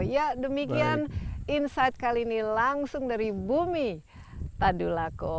ya demikian insight kali ini langsung dari bumi tadulako